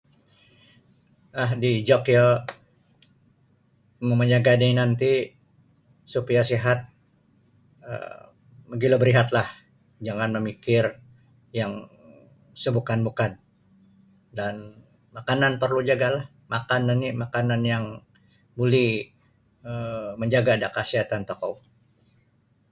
um Dijok yo mamajaga' da inan ti supaya sihat um mogilo barihatlah jangan mamikir yang sa' bukan-bukan dan makanan porlu jaga' lah makan oni' makanan yang buli um manjaga' da kasiatan tokou.